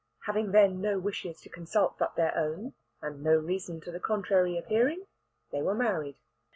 Having then no wishes to consult but their own, and no reason to the contrary appearing, they were married.